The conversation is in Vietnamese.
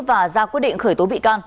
và ra quyết định khởi tố bị can